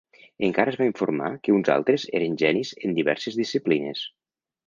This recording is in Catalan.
Encara es va informar que uns altres eren "genis" en diverses disciplines.